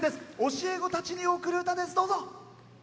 教え子たちに贈る歌です。